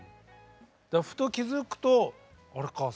ふと気付くとあれ？